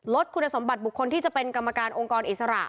คุณสมบัติบุคคลที่จะเป็นกรรมการองค์กรอิสระ